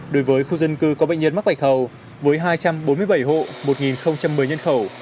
đối với khu dân cư có bệnh nhân mắc bạch hầu với hai trăm bốn mươi bảy hộ một một mươi nhân khẩu